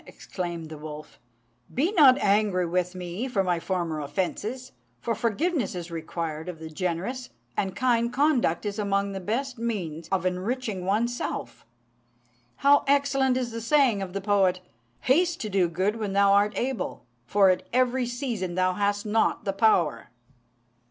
exclaimed the wolf, "be not angry with me for my former offences, for forgiveness is required of the generous, and kind conduct is among the best means of enriching one's self. How excellent is the saying of the poet "'Haste to do good when thou art able; for at every season thou hast not the power.'"